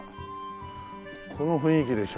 この雰囲気でしょう。